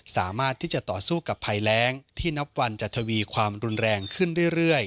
สามารถที่จะต่อสู้กับภัยแรงที่นับวันจะทวีความรุนแรงขึ้นเรื่อย